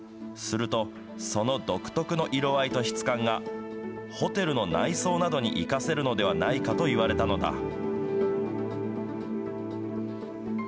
すると、その独特の色合いと質感が、ホテルの内装などに生かせるのではないかと言われたのだ。